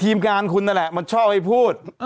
ทีมการห์คุณนั่นแหละมันชอบการหรือพูด